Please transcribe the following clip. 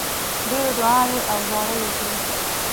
ډېرې دعاوي او زارۍ وکړې.